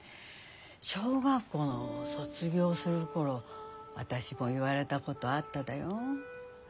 小学校卒業する頃私も言われたことあっただよ。